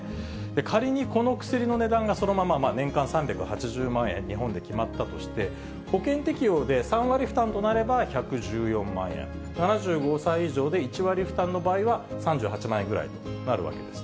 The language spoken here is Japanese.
仮にこの薬の値段がそのまま年間３８０万円、日本で決まったとして、保険適用で３割負担となれば１１４万円、７５歳以上で１割負担の場合は３８万円ぐらいとなるわけです。